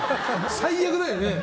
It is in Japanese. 最悪だよね。